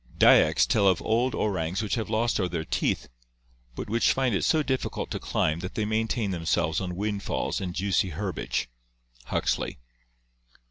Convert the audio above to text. "Dyaks tell of old orangs which have lost all their teeth, but which find it so difficult to climb that they maintain themselves on windfalls and juicy herbage" (Huxley).